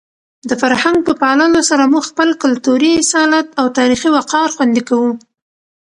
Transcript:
د فرهنګ په پاللو سره موږ خپل کلتوري اصالت او تاریخي وقار خوندي کوو.